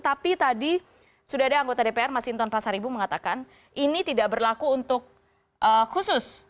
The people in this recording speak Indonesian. tapi tadi sudah ada anggota dpr mas hinton pasar ibu mengatakan ini tidak berlaku untuk khusus